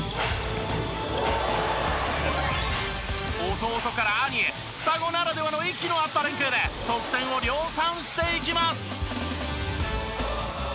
弟から兄へ双子ならではの息の合った連携で得点を量産していきます。